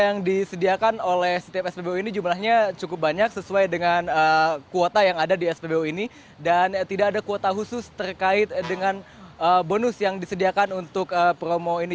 yang disediakan oleh setiap spbu ini jumlahnya cukup banyak sesuai dengan kuota yang ada di spbu ini dan tidak ada kuota khusus terkait dengan bonus yang disediakan untuk promo ini